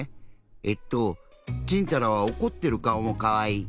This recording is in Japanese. えっとちんたらはおこってる顔もかわいい。